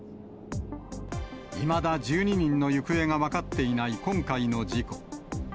いまだ１２人の行方が分かっていない今回の事故。